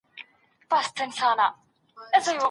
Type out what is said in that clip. د ښووني او روزني ټولنپوهنه ډېره اړينه ده.